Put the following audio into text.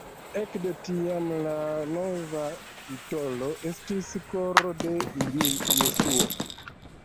Ekde tiam la nova titolo estis Koro de Jesuo.